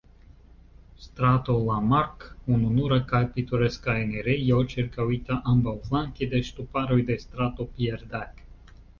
Strato Lamarck, ununura kaj pitoreska enirejo, ĉirkaŭita ambaŭflanke de ŝtuparoj de Strato Pierre-Dac.